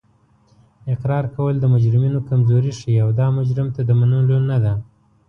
اقرار کول د مجرمینو کمزوري ښیي او دا مجرم ته د منلو نه ده